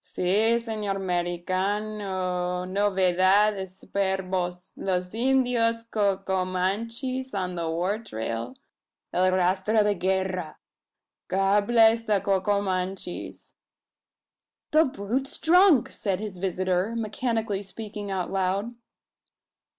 Si S'nor Merican cano! Nove dad es s'perbos! Los Indyos Co co manchees_ on the war trail el rastro de guerra. God bless the Co co manchees!" "The brute's drunk!" said his visitor, mechanically speaking aloud.